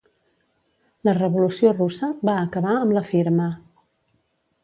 La Revolució russa va acabar amb la firma.